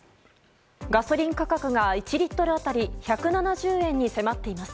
ガソリン価格が１リットル当たり１７０円に迫っています。